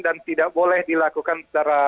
dan tidak boleh dilakukan secara berkualitas